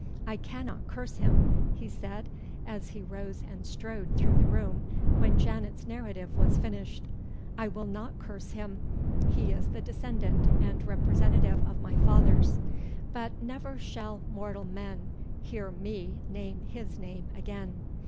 "I cannot curse him," he said, as he rose and strode through the room, when Janet's narrative was finished "I will not curse him; he is the descendant and representative of my fathers. But never shall mortal man hear me name his name again."